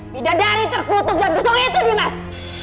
bidadari terkutuk dan besok itu dimas